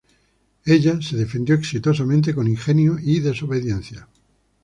Ella se defendió exitosamente con ingenio y desobediencia.